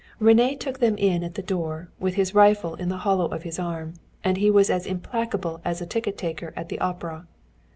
René took them in at the door, with his rifle in the hollow of his arm, and he was as implacable as a ticket taker at the opera.